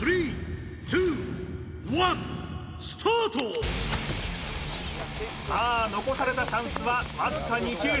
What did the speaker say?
スタートさあ残されたチャンスはわずか２球